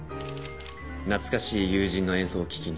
懐かしい友人の演奏を聴きに。